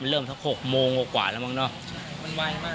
มันเริ่มสักหกโมงกว่าแล้วมั้งเนาะ